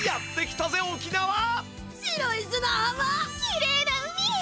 きれいな海！